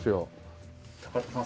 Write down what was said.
高田さん